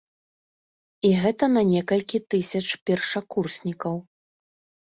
І гэта на некалькі тысяч першакурснікаў.